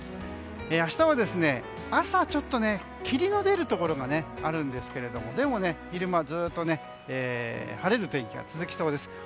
明日は朝ちょっと霧の出るところがあるんですがでも、昼間はずっと晴れる天気が続きそうです。